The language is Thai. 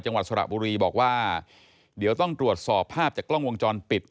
จังหวัดสระบุรีบอกว่าเดี๋ยวต้องตรวจสอบภาพจากกล้องวงจรปิด